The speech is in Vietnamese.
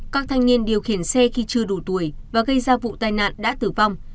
các thanh niên điều khiển xe khi chưa đủ tuổi và gây ra vụ tai nạn đã tử vong